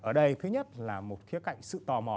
ở đây thứ nhất là một khía cạnh sự tò mò